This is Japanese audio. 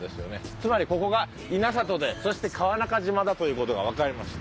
つまりここが稲里でそして川中島だという事がわかりました。